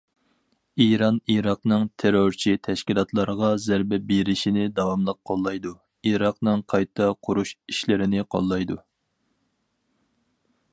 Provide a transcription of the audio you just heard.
ئىران ئىراقنىڭ تېررورچى تەشكىلاتلارغا زەربە بېرىشىنى داۋاملىق قوللايدۇ، ئىراقنىڭ قايتا قۇرۇش ئىشلىرىنى قوللايدۇ.